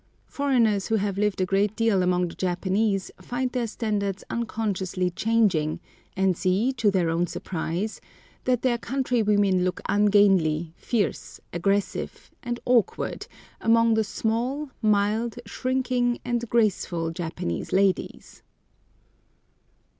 Foreigners who have lived a great deal among the Japanese find their standards unconsciously changing, and see, to their own surprise, that their countrywomen look ungainly, fierce, aggressive, and awkward among the small, mild, shrinking, and graceful Japanese ladies.